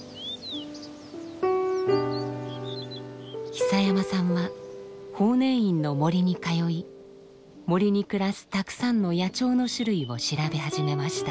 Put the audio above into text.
久山さんは法然院の森に通い森に暮らすたくさんの野鳥の種類を調べ始めました。